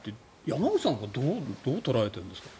山口さんなんかどう捉えているんですか？